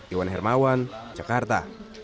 iwan hermawan jakarta